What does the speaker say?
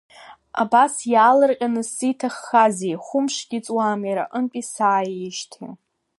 Абас иаалырҟьаны сзиҭаххазеи, хәымшгьы ҵуам иара иҟынтәи сааижьҭеи…